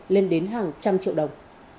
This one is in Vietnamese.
lên đến hàng trăm triệu đồng